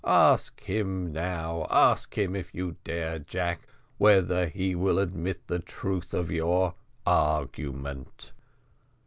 Ask him now, ask him if you dare, Jack, whether he will admit the truth of your argument."